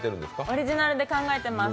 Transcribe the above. オリジナルで考えています。